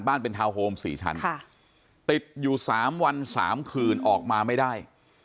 เป็นทาวน์โฮม๔ชั้นติดอยู่๓วัน๓คืนออกมาไม่ได้